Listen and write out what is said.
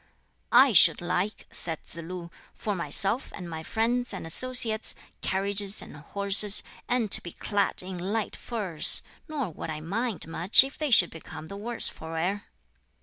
"I should like," said Tsz lu, "for myself and my friends and associates, carriages and horses, and to be clad in light furs! nor would I mind much if they should become the worse for wear."